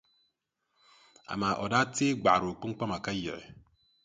Amaa o daa tee gbaɣiri o kpuŋkpama ka yiɣi.